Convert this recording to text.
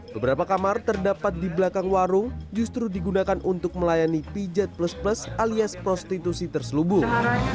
beberapa kamar terdapat di belakang warung justru digunakan untuk melayani pijat plus plus alias prostitusi terselubung